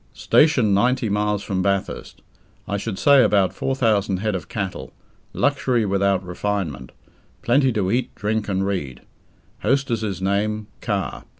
Station ninety miles from Bathurst. I should say about 4,000 head of cattle. Luxury without refinement. Plenty to eat, drink, and read. Hostess's name Carr.